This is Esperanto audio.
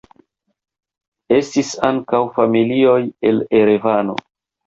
Estis ankaŭ familioj el Erevano.